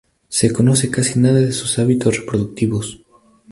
Se conoce casi nada de sus hábitos reproductivos.